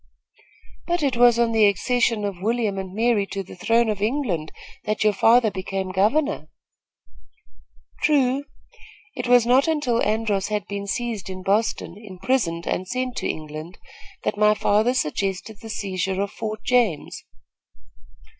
"But it was on the accession of William and Mary to the throne of England that your father became governor." "True. It was not until Andros had been seized in Boston, imprisoned and sent to England, that my father suggested the seizure of Fort James.